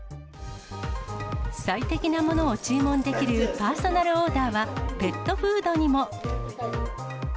最適なものを注文できるパーソナルオーダーは、ペットフードにも。